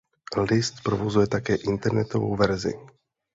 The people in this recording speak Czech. List provozuje také internetovou verzi.